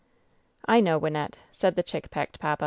"I know^ Wynnette," said the chick pecked papa.